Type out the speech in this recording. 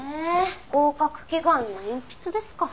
合格祈願の鉛筆ですか。